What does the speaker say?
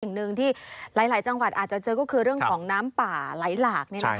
สิ่งหนึ่งที่หลายจังหวัดอาจจะเจอก็คือเรื่องของน้ำป่าไหลหลาก